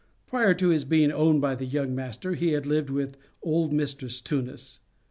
Prior to his being owned by the young master, he had lived with old mistress Tunis.